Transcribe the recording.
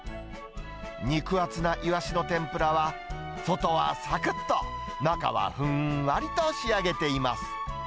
肉厚なイワシの天ぷらは、外はさくっと、中はふんわりと仕上げています。